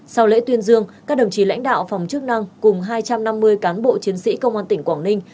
sau lễ tuyên dương các đồng chí lãnh đạo phòng chức năng cùng hai trăm năm mươi cán bộ chiến sĩ công an tỉnh quảng ninh